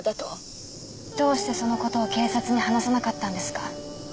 どうしてその事を警察に話さなかったんですか？